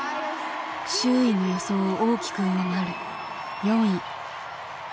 周囲の予想を大きく上回る４位。